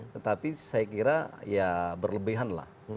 tetapi saya kira ya berlebihan lah